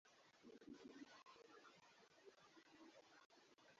Kutoka hapa mto Niger unaendelea hadi Nigeria.